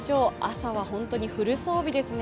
朝は本当にフル装備ですね。